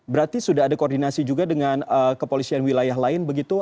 berarti sudah ada koordinasi juga dengan kepolisian wilayah lain begitu